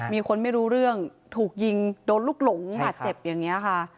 มีคนไม่รู้เรื่องถูกยิงโดนลูกหลงบาดเจ็บอย่างนี้ค่ะ